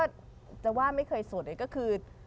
จะว่าไม่เคยส่วนดีก็คือ